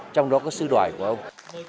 trong đó có sứ đoài của ông